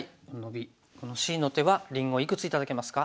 このＣの手はりんごいくつ頂けますか？